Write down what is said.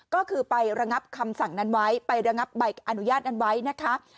ก็คือไประงับคำสั่งนั้นไว้ไประงับใบอนุญาตนั้นไว้นะคะ